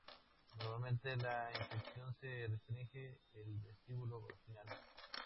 Normalmente la infección se restringe al vestíbulo vaginal.